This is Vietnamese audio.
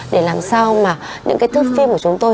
để làm sao mà những cái thức phim của chúng tôi